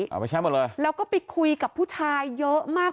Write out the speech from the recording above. เอาไปใช้หมดเลยแล้วก็ไปคุยกับผู้ชายเยอะมาก